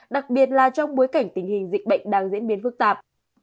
đặc biệt là trong bối cảnh tình hình dịch bệnh đang diễn biến phức tạp